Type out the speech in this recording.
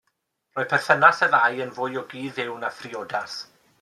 Roedd perthynas y ddau yn fwy o gyd-fyw na phriodas.